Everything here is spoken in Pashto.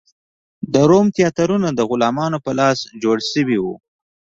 د روم تیاترونه د غلامانو په لاس جوړ شوي و.